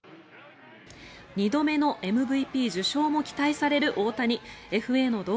２度目のＭＶＰ受賞も期待される大谷。